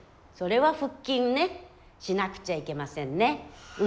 それは腹筋ねしなくちゃいけませんね。